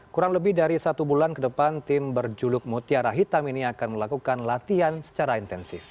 kurang lebih dari satu bulan ke depan tim berjuluk mutiara hitam ini akan melakukan latihan secara intensif